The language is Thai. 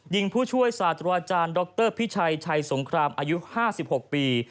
ผู้ช่วยศาสตราอาจารย์ดรพิชัยชัยสงครามอายุ๕๖ปี